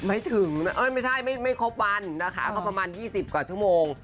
ไม่ถึงนะเอ้ยไม่ใช่ไม่ครบวันนะคะก็ประมาณ๒๐กว่าชั่วโมง